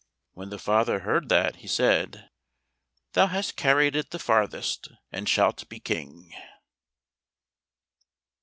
When the father heard that, he said, "Thou hast carried it the farthest, and shalt be King."